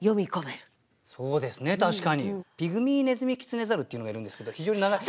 ピグミーネズミキツネザルっていうのがいるんですけど非常に長い。